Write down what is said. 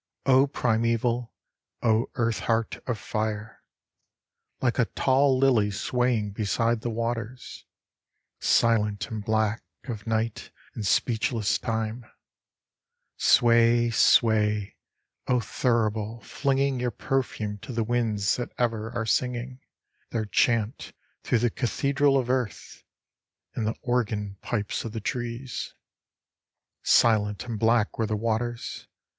O Primeval, O Earth heart of fire ! Like a tall lily swaying beside the waters, Silent and black, of Night and speechless Time, Sway, sway, O Thurible, flinging Your perfume to winds that ever are singing Their chant through the Cathedral of Earth, In the organ pipes of the trees. 44 IN THE NET OF THE STARS Silent and black were the waters.